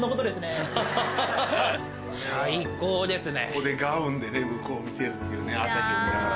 ここでガウンで向こうを見てるっていう朝日を見ながら。